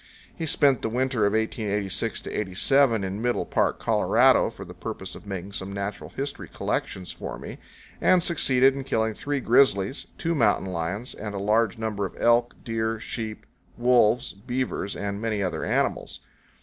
He spent the winter of 1886 87 in Middle Park, Colorado, for the purpose of making some natural history collections for me, and succeeded in killing three grizzlies, two mountain lions, and a large number of elk, deer, sheep, wolves, beavers, and many other animals.